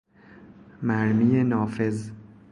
مرمی نافذ